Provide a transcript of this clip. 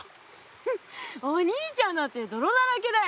フフお兄ちゃんだってどろだらけだよ。